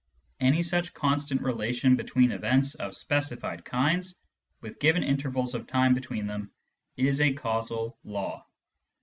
Any such constant relation between events of specified kinds with given intervals of time between them is a "causal law."